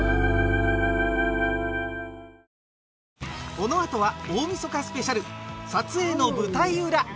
このあとは大晦日スペシャル撮影の舞台裏